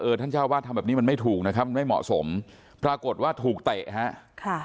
ท่านเจ้าวาดทำแบบนี้มันไม่ถูกนะครับมันไม่เหมาะสมปรากฏว่าถูกเตะฮะค่ะ